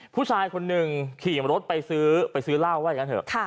ผู้ชายคนหนึ่งขี่กับรถไปซื้อไปซื้อเหล้าไว้กันเถอะ